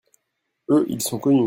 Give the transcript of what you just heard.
Eux, ils sont connus.